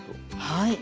はい。